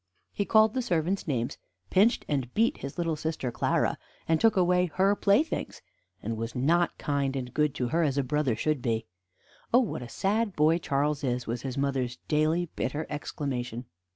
He called the servants names, pinched and beat his little sister Clara, and took away her playthings, and was not kind and good to her, as a brother should be. "Oh, what a sad boy Charles is!" was his mother's daily bitter exclamation.